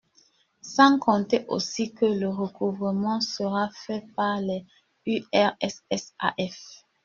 Sans compter aussi que le recouvrement sera fait par les URSSAF.